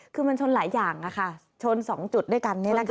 คือมันชนหลายอย่างค่ะชนสองจุดด้วยกันนี้นะคะ